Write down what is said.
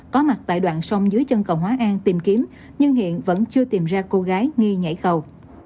có mặt tại đoạn sông dưới chân cầu hóa an tìm kiếm nhưng hiện vẫn chưa tìm ra cô gái nghi nhảy cầu